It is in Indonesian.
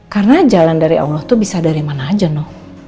karena jalan dari allah tuh bisa dari mana aja no